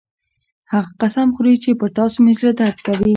هغه قسم خوري چې پر تاسو مې زړه درد کوي